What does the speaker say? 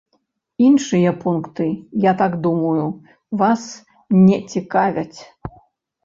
Іншыя пункты, я так думаю, вас не цікавяць.